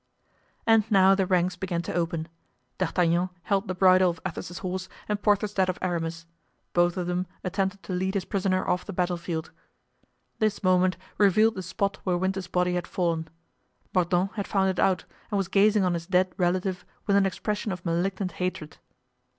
And now the ranks began to open. D'Artagnan held the bridle of Athos's horse and Porthos that of Aramis. Both of them attempted to lead his prisoner off the battle field. This movement revealed the spot where Winter's body had fallen. Mordaunt had found it out and was gazing on his dead relative with an expression of malignant hatred.